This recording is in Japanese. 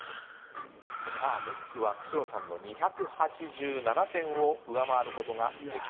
さあムックは久代さんの２８７点を上回ることができるでしょうか。